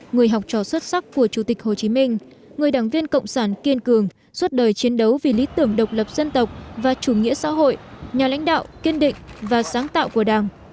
người học trò xuất sắc của chủ tịch hồ chí minh người đảng viên cộng sản kiên cường suốt đời chiến đấu vì lý tưởng độc lập dân tộc và chủ nghĩa xã hội nhà lãnh đạo kiên định và sáng tạo của đảng